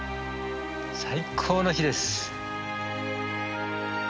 最高の日です！